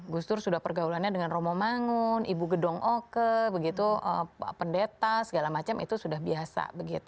gus dur sudah pergaulannya dengan romo mangun ibu gedong oke pendeta segala macam itu sudah biasa